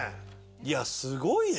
いやすごいね。